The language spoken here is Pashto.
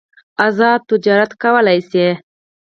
ازاد تجارت کولای شي.